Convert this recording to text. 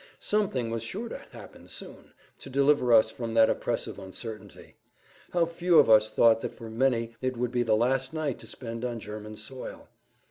Something was sure to happen soon, to deliver us from that oppressive uncertainty. How few of us thought that for many it would be the last night to spend on German soil!